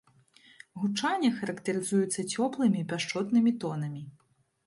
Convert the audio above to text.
Гучанне характарызуецца цёплымі і пяшчотнымі тонамі.